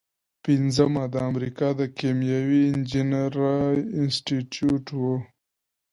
پنځمه د امریکا د کیمیاوي انجینری انسټیټیوټ و.